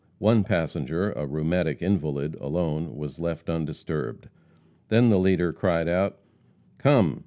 One passenger, a rheumatic invalid, alone, was left undisturbed. Then the leader cried out: "Come!